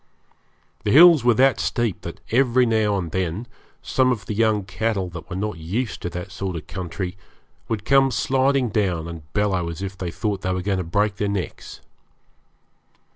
The hills were that steep that every now and then some of the young cattle that were not used to that sort of country would come sliding down and bellow as if they thought they were going to break their necks.